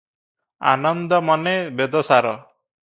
ଆନନ୍ଦମନେ ବେଦସାର ।